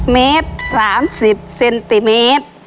เมตร๓๐เซนติเมตร